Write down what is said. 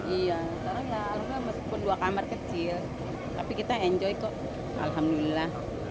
iya karena alhamdulillah meskipun dua kamar kecil tapi kita enjoy kok alhamdulillah